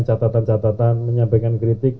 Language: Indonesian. catatan catatan menyampaikan kritik